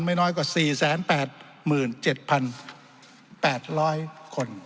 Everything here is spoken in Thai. ไม่น้อยกว่า๔๘๗๘๐๐คน